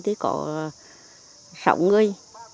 thì có sáu người